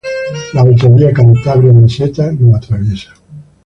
La Autovía Cantabria-Meseta lo atraviesa.